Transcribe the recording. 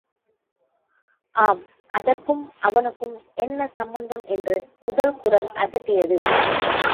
ஆம், அதற்கும், இவனுக்கும் என்ன சம்பந்தம் என்று முதல் குரல் அதட்டியது.